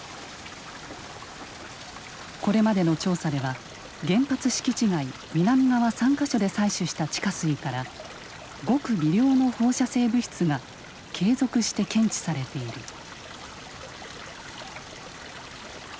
これまでの調査では原発敷地外南側３か所で採取した地下水からごく微量の放射性物質が継続して検知されている。